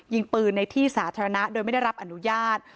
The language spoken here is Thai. ยิงปืนในที่สาธารณะโดยไม่ได้รับอนุญาต